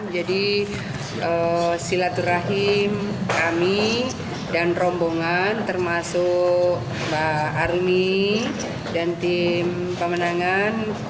jadi silaturahim kami dan rombongan termasuk mbak armi dan tim pemenangan